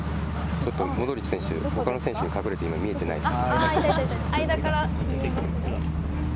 ちょっとモドリッチ選手、ほかの選手に隠れて、今、見えてないです。